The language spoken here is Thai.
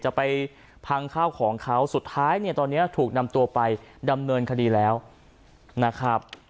จะไปพังข้าวของเขาสุดท้ายเนี่ยตอนนี้ถูกนำตัวไปดำเนินคดีแล้วนะครับ